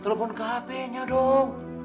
telepon ke hp nya dong